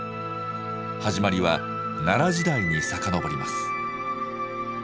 始まりは奈良時代に遡ります。